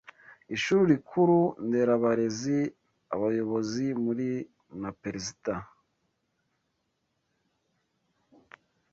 Ishuri Rikuru Nderabarezi Abayobozi muri na Perezida